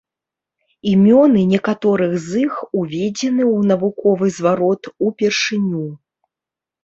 Імёны некаторых з іх уведзены ў навуковы зварот упершыню.